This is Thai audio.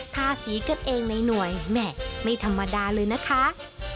ทาสีกันเองในหน่วยแหม่ไม่ธรรมดาเลยนะคะ